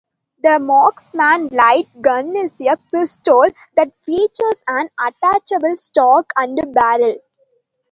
The Marksman light gun is a pistol that features an attachable stock and barrel.